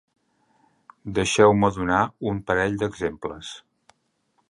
Deixeu-me donar un parell d’exemples.